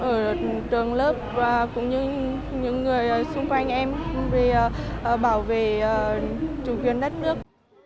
ở trường lớp và cũng như những người xung quanh em về bảo vệ chủ quyền đất nước